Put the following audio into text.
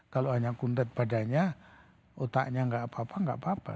kalau hanya kuntat badannya otaknya gak apa apa gak apa apa